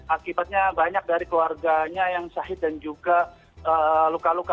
akibatnya banyak dari keluarganya yang sahid dan juga luka luka